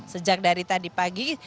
sejak dari tadi pagi